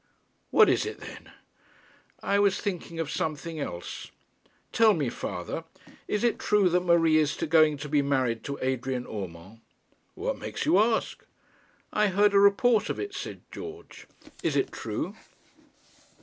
'What is it then?' 'I was thinking of something else. Tell me, father; is it true that Marie is going to be married to Adrian Urmand?' 'What makes you ask?' 'I heard a report of it,' said George. 'Is it true?'